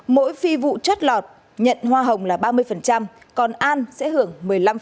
mỗi phi vụ chất lọt nhận hoa hồng là ba mươi còn an sẽ hưởng một mươi năm